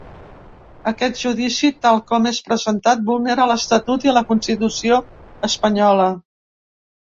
Aquest judici, tal com és presentat, vulnera l’estatut i la constitució espanyola.